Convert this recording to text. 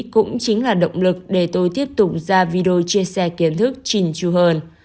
cũng chính là động lực để tôi tiếp tục ra video chia sẻ kiến thức trình chu hơn